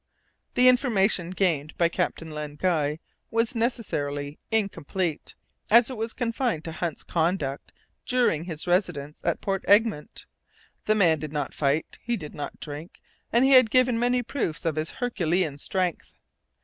The information gained by Captain Len Guy was necessarily incomplete, as it was confined to Hunt's conduct during his residence at Port Egmont. The man did not fight, he did not drink, and he had given many proofs of his Herculean strength.